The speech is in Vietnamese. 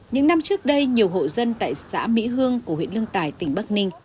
những năm trước đây nhiều hộ dân tại xã mỹ hương của huyện lương tài tỉnh bắc ninh